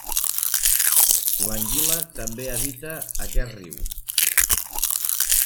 L'anguila també habita aquest riu.